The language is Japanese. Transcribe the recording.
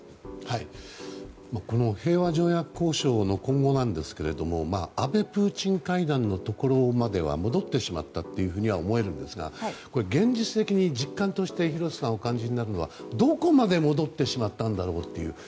平和条約交渉の今後なんですけど安部、プーチン会談のところまで戻ってしまったというふうに思えるんですが、現実的に実感として廣瀬さんがお感じになるのはどこまで戻ってしまったんだろうかと。